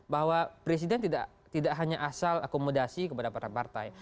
bahwa presiden tidak hanya asal akomodasi kepada partai partai